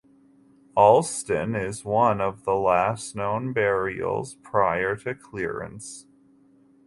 Alston is one of the last known burials prior to clearance.